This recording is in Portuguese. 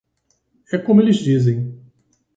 É como eles dizem.